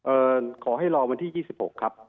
ขอให้รอวันที่๒๖ครับ